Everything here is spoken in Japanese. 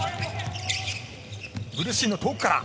ブルッシーノ、遠くから。